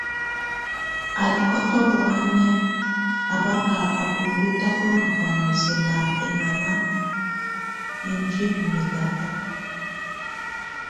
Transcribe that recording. Alɛkɔtɔbɔhanyɛ a baka a buəndu tabɔnaka muɛsɛ mba ɛnŋana yənjəli mɛtatanɛ.